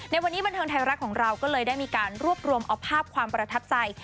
ในวันนี้บันเทิงไทยรัฐของเราก็เลยได้มีการรวบรวมเอาภาพความประทับใจ